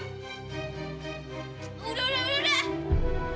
udah udah udah